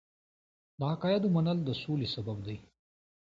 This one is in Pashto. د عقایدو منل د سولې سبب دی.